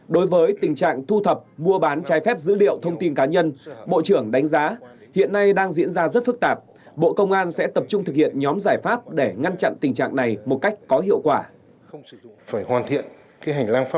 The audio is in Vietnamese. đối với tình trạng thu thập mua bán trái phép dữ liệu thông tin cá nhân bộ trưởng đánh giá hiện nay đang diễn ra rất phức tạp bộ công an sẽ tập trung thực hiện nhóm giải pháp để ngăn chặn tình trạng này một cách có hiệu quả